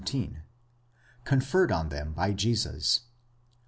17),5 conferred on them by Jesus.